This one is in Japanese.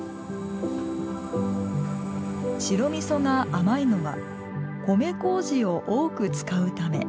白みそが甘いのは米こうじを多く使うため。